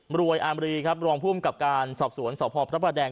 มรวยอามรีรองพุ่มกับการสอบสวนสอพพระพระแดง